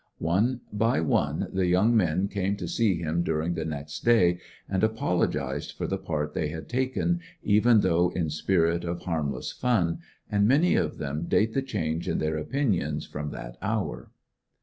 One by one, the young men came to see him during the next day and apologized for the part they had taken, even though in a spirit of harmless fun, and many of them date the change in their opinions from that hour.